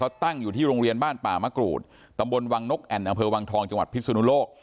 เขาตั้งอยู่ที่โรงเรียนบ้านป่ามะกรูดตำบลวังนกแอ่นอำเภอวังทองจังหวัดพิศนุโลก